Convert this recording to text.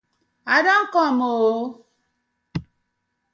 I don kom oo!!